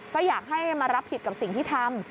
ก็อยากให้มารับผิดกับสิ่งที่ทำ